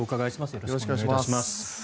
よろしくお願いします。